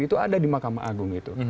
itu ada di mahkamah agung itu